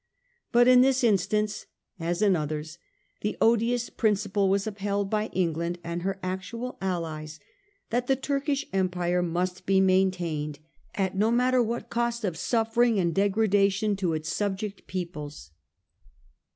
But in this instance, as in others, the odious principle was upheld by England and her actual allies, that the Turkish Empire must be maintained at no matter what cost of suffering and degradation to its subject 198 A HISTORY OF OUR OWN TIMES. cj. IX. populations.